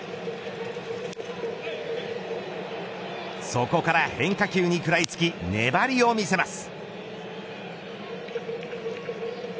そこから変化球に食らいつき粘りを見せます。